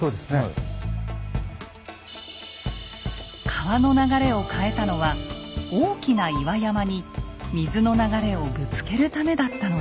川の流れを変えたのは大きな岩山に水の流れをぶつけるためだったのです。